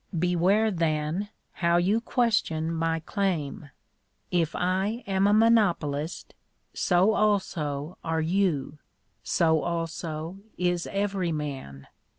Beware, then, how you question my claim. If I am a monopolist, so also are you ; so also is every man.